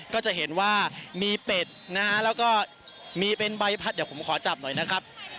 ก็จะเห็นว่ามีเป็ดนะฮะแล้วก็มีเป็นใบพัดเดี๋ยวผมขอจับหน่อยนะครับ